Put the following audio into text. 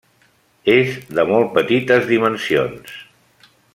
És de molt petites dimensions.